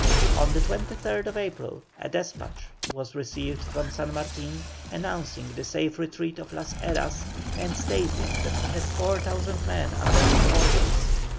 On the 23rd April a despatch was received from San Martin announcing the safe retreat of Las Heras, and stating that he had 4,000 men under his orders.